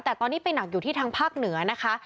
แต่ตอนนี้ไปหนักอยู่ที่ทางภาคเหนือนะคะ